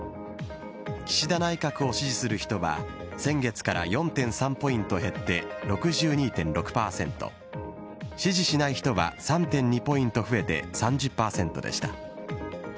岸田内閣を支持する人は、先月から４．３ポイント減って６２．６％、支持しない人は３．２ポイント増えて３０％でした。